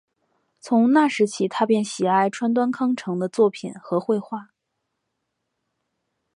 从那时起他便喜爱川端康成的作品和绘画。